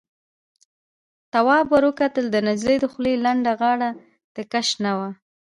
تواب ور وکتل، د نجلۍ دخولې لنده غاړه تکه شنه وه.